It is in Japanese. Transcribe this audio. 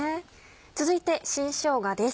続いて新しょうがです